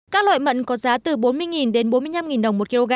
các loại mận có giá từ bốn mươi đến bốn mươi năm đồng một kg